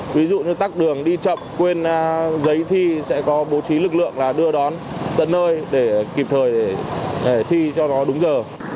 ví dụ như các đường đi chậm quên giấy thi sẽ có bố trí lực lượng là đưa đón tận nơi để kịp thời để thi cho nó đúng giờ